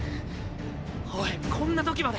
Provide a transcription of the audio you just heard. おいこんな時まで！